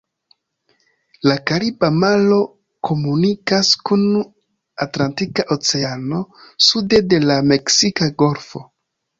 La Kariba maro komunikas kun Atlantika Oceano, sude de la Meksika Golfo.